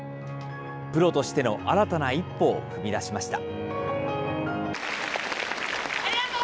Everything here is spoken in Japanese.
プロとしての新たな一歩を踏み出しました。